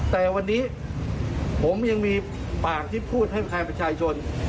แต่วันนี้ผมยังมีปากที่พูดให้ใครประชาชน